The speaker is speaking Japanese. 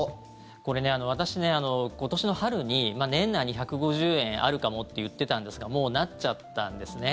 これ、私ね今年の春に年内に１５０円あるかもって言ってたんですがもうなっちゃったんですね。